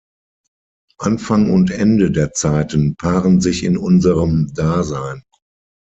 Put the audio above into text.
Anfang und Ende der Zeiten paaren sich in unserem Dasein.